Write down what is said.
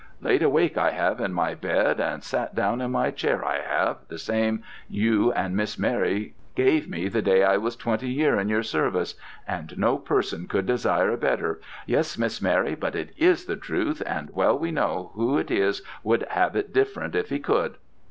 Laid awake I have in my bed, sat down in my chair I have, the same you and Miss Mary gave me the day I was twenty year in your service, and no person could desire a better yes, Miss Mary, but it is the truth, and well we know who it is would have it different if he could.